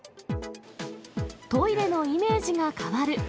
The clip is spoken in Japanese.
トイレのイメージが変わる。